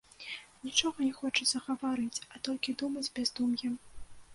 Нічога не хочацца гаварыць, а толькі думаць бяздум'ем.